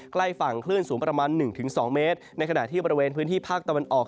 ใกล้ฝั่งคลื่นสูงประมาณหนึ่งถึงสองเมตรในขณะที่บริเวณพื้นที่ภาคตะวันออก